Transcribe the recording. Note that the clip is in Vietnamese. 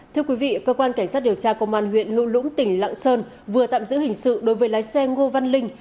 thưa quý vị cơ quan cảnh sát điều tra công an huyện hữu lũng tỉnh lạng sơn vừa tạm giữ hình sự đối với lái xe ngô văn linh